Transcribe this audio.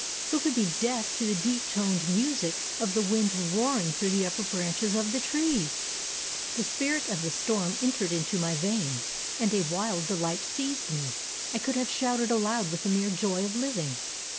Who could be deaf to the deep toned music of the wind roaring through the upper branches of the trees! The spirit of the storm entered into my veins and a wild delight seized me. I could have shouted aloud with the mere joy of living.